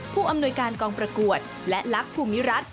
ผู้อำนวยการกองประกวดและลักษณ์ภูมิรัฐ